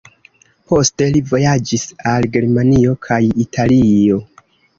Poste li vojaĝis al Germanio kaj Italio.